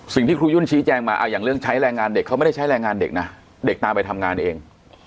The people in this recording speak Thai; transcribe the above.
ครูยุ่นชี้แจงมาอย่างเรื่องใช้แรงงานเด็กเขาไม่ได้ใช้แรงงานเด็กนะเด็กตามไปทำงานเอง